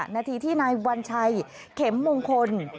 นาทีที่นายวัญชัยเข็มมงคล